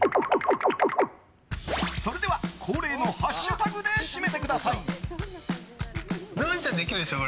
それでは、恒例のハッシュタグで締めてください。